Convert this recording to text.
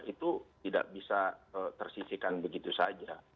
itu tidak bisa tersisikan begitu saja